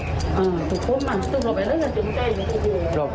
เพื่อสารอบ